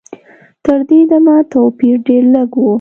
تر دې دمه توپیر ډېر لږ و.